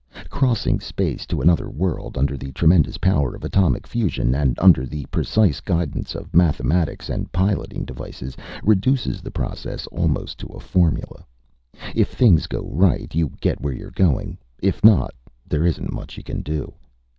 Crossing space to another world under the tremendous power of atomic fusion, and under the precise guidance of mathematics and piloting devices, reduces the process almost to a formula. If things go right, you get where you're going; if not, there isn't much you can do.